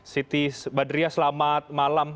siti badria selamat malam